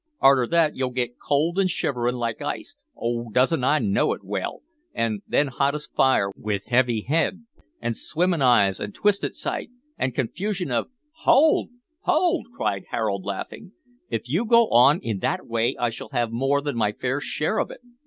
Arter that you'll get cold an' shivering like ice oh! doesn't I know it well an' then hot as fire, with heavy head, an' swimming eyes, an' twisted sight, an' confusion of " "Hold! hold!" cried Harold, laughing, "if you go on in that way I shall have more than my fair share of it!